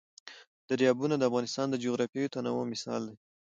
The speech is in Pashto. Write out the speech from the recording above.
دریابونه د افغانستان د جغرافیوي تنوع مثال دی.